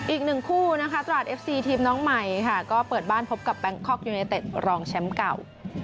อีกหนึ่งคู่นะคะตราดเอฟซีทีมน้องใหม่ค่ะก็เปิดบ้านพบกับแบงคอกยูเนเต็ดรองแชมป์เก่า